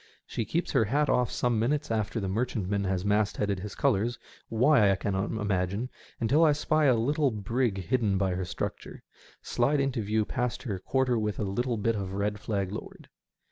She keeps her hat off some minutes after the merchantman has mastheaded his colours, why I cannot imagine, until I spy a little brig hidden by her structure, slide into view past her quarter with a little bit of a red flag lowered.